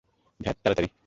ধ্যাত, তাড়াতাড়ি!